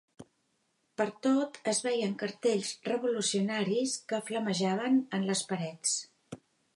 Pertot es veien cartells revolucionaris, que flamejaven en les parets